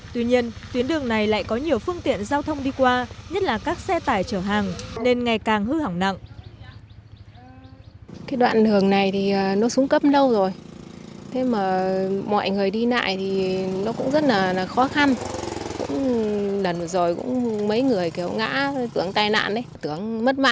tuy nhiên tuyến đường này lại có nhiều phương tiện giao thông đi qua nhất là các xe tải chở hàng nên ngày càng hư hỏng nặng